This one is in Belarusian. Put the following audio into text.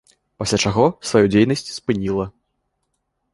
Пасля чаго сваю дзейнасць спыніла.